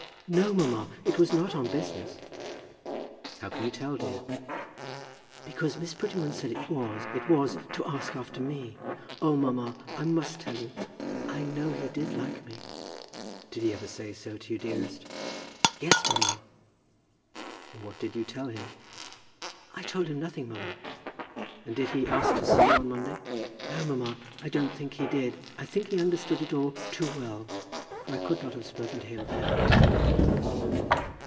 "No, mamma, it was not on business." "How can you tell, dear?" "Because Miss Prettyman said it was, it was to ask after me. Oh, mamma, I must tell you. I know he did like me." "Did he ever say so to you, dearest?" "Yes, mamma." "And what did you tell him?" "I told him nothing, mamma." "And did he ask to see you on Monday?" "No, mamma; I don't think he did. I think he understood it all too well, for I could not have spoken to him then."